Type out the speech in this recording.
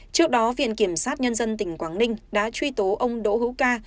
trước đó viện kiểm sát nhân dân tỉnh quảng ninh đã truy tố ông đỗ hữu ca